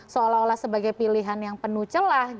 seolah olah sebagai pilihan yang penuh celah